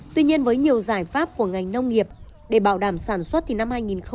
tuy nhiên với nhiều giải pháp của ngành nông nghiệp để bảo đảm sản xuất thì năm hai nghìn hai mươi